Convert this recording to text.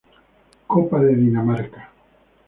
Copa de Dinamarca